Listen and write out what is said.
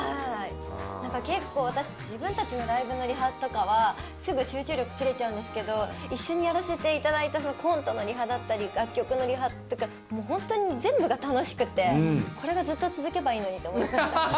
何か結構私たち自分たちのライブのリハとかはすぐ集中力切れちゃうんですけど一緒にやらせていただいたそのコントのリハだったり楽曲のリハとかもうホントに全部が楽しくてこれがずっと続けばいいのにと思ってた。